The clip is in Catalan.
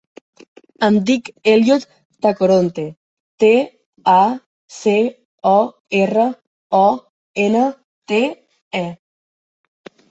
Em dic Elliot Tacoronte: te, a, ce, o, erra, o, ena, te, e.